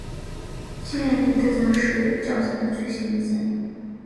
季裂裂痕的特征是黄铜受氨影响的部件会出现较深的脆性裂痕。